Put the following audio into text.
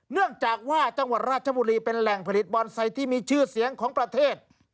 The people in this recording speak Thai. เนื่องจากว่าจังหวัดราชบุรีเป็นแหล่งผลิตบอนไซต์ที่มีชื่อเสียงของประเทศ